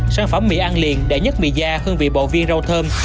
sản phẩm mì ăn liền đệ nhất mì da hương vị bộ viên rau thơm